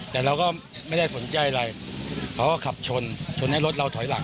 แต่เราก็ไม่ได้สนใจอะไรเขาก็ขับชนชนให้รถเราถอยหลัง